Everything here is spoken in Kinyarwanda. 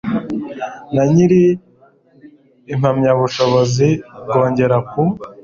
na nyir impamyabuvumbuzi bwongera ku